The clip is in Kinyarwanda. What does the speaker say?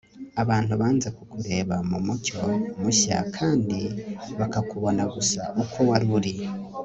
abantu banze kukureba mu mucyo mushya kandi bakakubona gusa uko wari uri